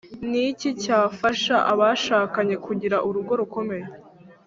Ni iki cyafasha abashakanye kugira urugo rukomeye